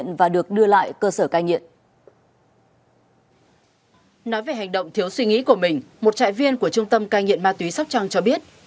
nói về hành động thiếu suy nghĩ của mình một trại viên của trung tâm cai nghiện ma túy sóc trăng cho biết